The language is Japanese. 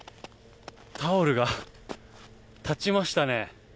タオルが立ちましたね。